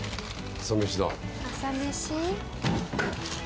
朝飯？